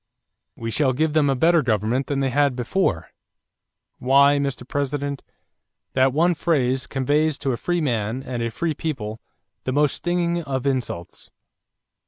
'We shall give them a better government than they had before.' Why, Mr. President, that one phrase conveys to a free man and a free people the most stinging of insults.